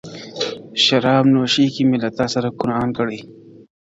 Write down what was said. o شراب نوشۍ کي مي له تا سره قرآن کړی دی.